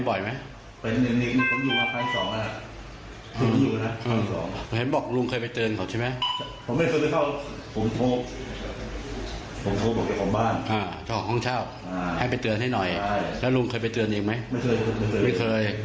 บ้านห้องเขาบอกบอกมันไม่เหี้ยวมัวมัวอารวาส